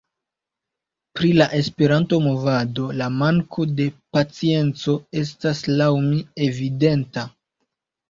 Pri la Esperanto-movado, la manko de pacienco estas laŭ mi evidenta.